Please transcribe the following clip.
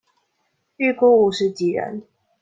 預估五十幾人